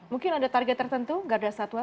mungkin ada target tertentu gadasatwa